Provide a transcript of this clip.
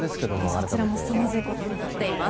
そちらもすさまじいことになっています。